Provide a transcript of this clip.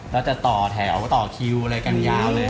แล้วจะต่อแถวต่อคิวอะไรกันยาวเลย